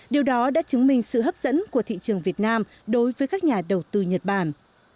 điều đó đã chứng minh sự hấp dẫn của thị trường việt nam đối với các nhà đầu tư nhật bản